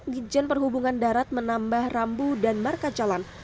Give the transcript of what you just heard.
dijen perhubungan darat menambah rambu dan marka jalan